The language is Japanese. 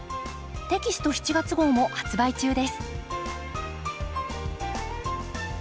テキスト７月号も発売中です。